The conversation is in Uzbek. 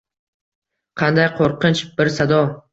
Qanday qo’rqinch bir sado